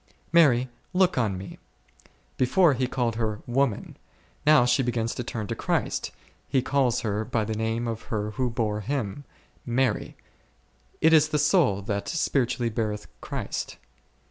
Mary, look on Me ; before, He called her woman; now she begins to turn to Christ, He calls her by the name of her who bare Him, Mary ; it is the soul, that spiritually beareth Christ.